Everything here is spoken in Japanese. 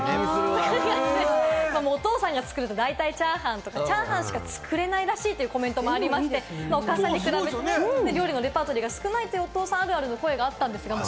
お父さんが作ると大体チャーハンとかチャーハンしか作れないらしいというコメントもありまして、お母さんに比べて料理のレパートリーが少ないというお父さんあるあるがあったんですが。